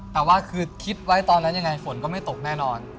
แต่ว่าคือคิดไว้ตอนนั้นยังไงฝนก็ไม่ตกแน่นอน